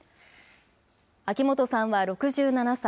秋元さんは６７歳。